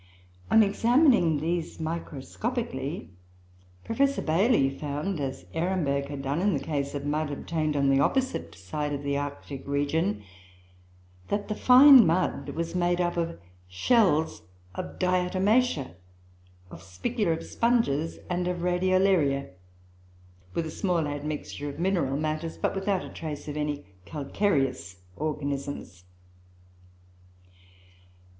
On examining these microscopically, Professor Bailey found, as Ehrenberg had done in the case of mud obtained on the opposite side of the Arctic region, that the fine mud was made up of shells of Diatomacoe, of spicula of sponges, and of Radiolaria, with a small admixture of mineral matters, but without a trace of any calcareous organisms.